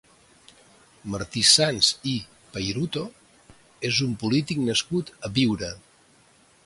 Martí Sans i Pairuto és un polític nascut a Biure.